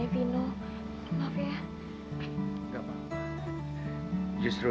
yang kamu se moto